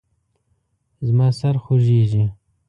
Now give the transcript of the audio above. زما سر خوږیږي